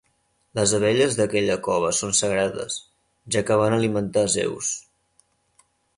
Les abelles d'aquella cova són sagrades, ja que van alimentar Zeus.